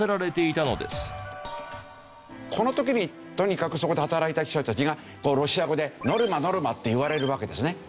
この時にとにかくそこで働いた人たちがロシア語で「ノルマノルマ」って言われるわけですね。